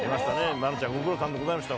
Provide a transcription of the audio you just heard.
愛菜ちゃん、ご苦労さんでございました、